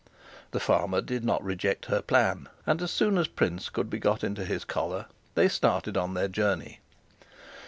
The farmer did not reject her plan; and, as soon as Prince could be got into his collar, they started on their journey.